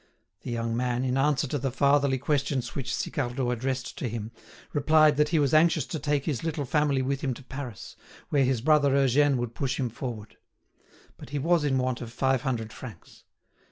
The young man, in answer to the fatherly questions which Sicardot addressed to him, replied that he was anxious to take his little family with him to Paris, where his brother Eugène would push him forward; but he was in want of five hundred francs.